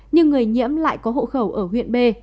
nhưng người nhiễm lại có hộ khẩu ở huyện b